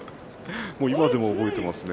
今でも覚えていますね。